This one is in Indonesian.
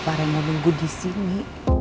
pareng nunggu disini